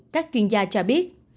các chuyên gia cho biết